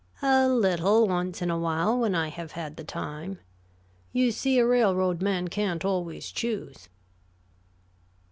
"A little, once in a while, when I have had the time. You see, a railroad man can't always choose."